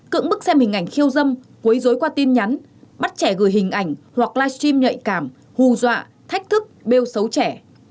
cững bức xem hình ảnh khiêu dâm quấy dối qua tin nhắn bắt trẻ gửi hình ảnh hoặc live stream nhạy cảm hù dọa thách thức bêu xấu trẻ